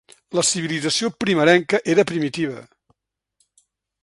La civilització primerenca era primitiva.